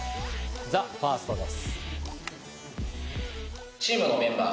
ＴＨＥＦＩＲＳＴです。